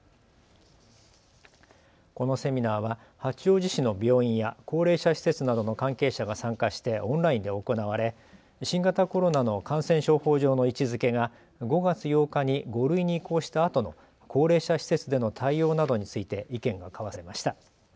このセミナーは八王子市の病院や高齢者施設などの関係者が参加してオンラインで行われ、新型コロナの感染症法上の位置づけが５月８日に５類に移行したあとの高齢者施設での対応などについて意見が交わされました。